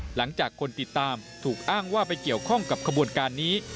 หลังจากคนติดตามถูกอ้างว่าไปเกี่ยวข้องกับขบวนการนี้